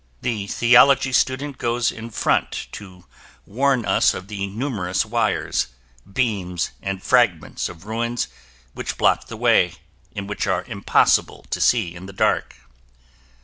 The theology student goes in front to warn us of the numerous wires, beams and fragments of ruins which block the way and which are impossible to see in the dark.